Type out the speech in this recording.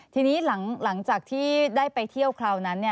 ทีนี้หลังจากที่ได้ไปเที่ยวคราวนั้น